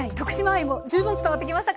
愛も十分伝わってきました。